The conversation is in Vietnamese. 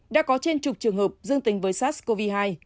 đã có trên chục trường hợp dương tính với sars cov hai